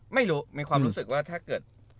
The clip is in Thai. ไม่รู้มีความรู้สึกว่าถ้าเกิด